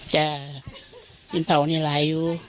จากที่ปักอย่างนี้ลาย